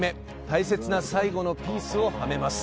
大切な最後のピースをはめます。